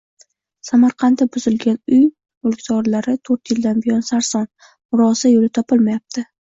Samarqandda buzilgan uy mulkdorlarito'rtyildan buyon sarson: murosa yo‘li topilmayapti